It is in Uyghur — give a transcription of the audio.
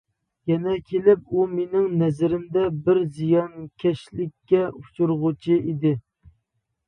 يەنە كېلىپ ئۇ مېنىڭ نەزىرىمدە بىر زىيانكەشلىككە ئۇچرىغۇچى ئىدى.